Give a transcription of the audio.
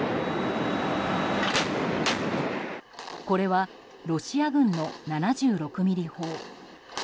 これはロシア軍の７６ｍｍ砲。